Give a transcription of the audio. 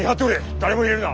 誰も入れるな。